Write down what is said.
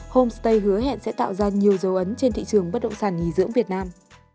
homestay hứa hẹn sẽ tạo ra nhiều dấu ấn trên thị trường bất động sản nghỉ dưỡng việt nam